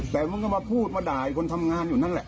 แต่มันก็มาพูดมาด่าคนทำงานอยู่นั่นแหละ